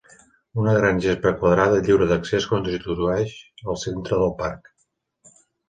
Una gran gespa quadrada lliure d'accés constitueix el centre del parc.